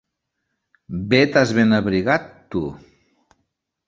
Bé t'has ben abrigat, tu!